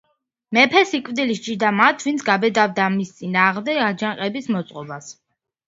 მეფე სიკვდილით სჯიდა მათ, ვინც გაბედავდა მის წინააღმდეგ აჯანყების მოწყობას.